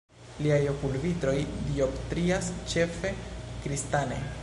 Liaj okulvitroj dioptrias ĉefe kristane.